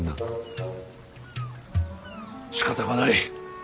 しかたがない。